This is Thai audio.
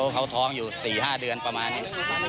เขาท้องอยู่๔๕เดือนประมาณนี้